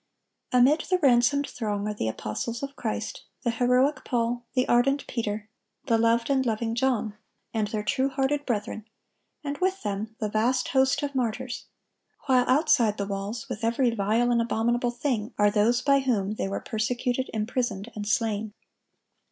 Amid the ransomed throng are the apostles of Christ, the heroic Paul, the ardent Peter, the loved and loving John, and their true hearted brethren, and with them the vast host of martyrs; while outside the walls, with every vile and abominable thing, are those by whom they were persecuted, imprisoned, and slain.